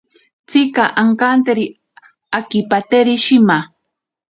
Tsika akanteri akipateri shima.